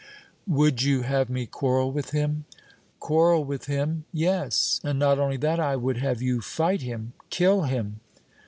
"Would you have me quarrel with him?" "Quarrel with him? Yes; and not only that! I would have you fight him, kill him!"